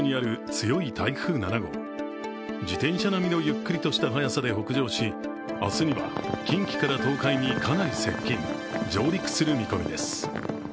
強い台風７号、自転車並みのゆっくりとした早さで北上し、明日には近畿から東海にかなり接近上陸する見込みです。